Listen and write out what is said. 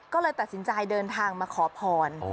ก็เลยตัดสินใจเดินทางมาขอพร